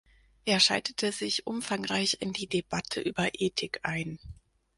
Er schaltete sich umfangreich in die Debatte über Ethik ein.